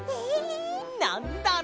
なんだろう？